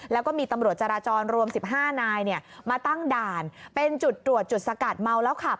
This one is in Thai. แล้วก็มีตำรวจจราจรรวม๑๕นายมาตั้งด่านเป็นจุดตรวจจุดสกัดเมาแล้วขับ